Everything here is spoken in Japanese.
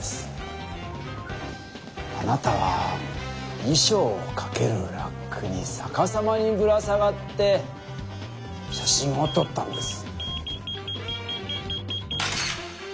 あなたはいしょうをかけるラックにさかさまにぶら下がって写真をとったんです。